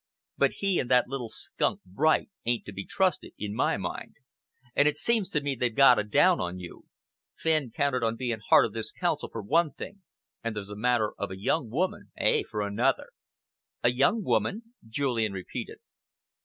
But he and that little skunk Bright ain't to be trusted, in my mind, and it seems to me they've got a down on you. Fenn counted on being heart of this Council, for one thing, and there's a matter of a young woman, eh, for another?" "A young woman?" Julian repeated.